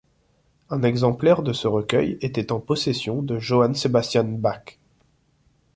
Un exemplaire de ce recueil était en possession de Johann Sebastian Bach.